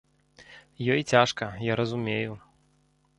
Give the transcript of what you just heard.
Ёй цяжка, я разумею.